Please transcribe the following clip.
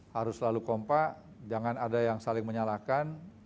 harus selalu kompak jangan ada yang saling menyalahkan